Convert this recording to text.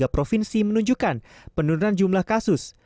tiga puluh tiga provinsi menunjukkan penurunan jumlah kasus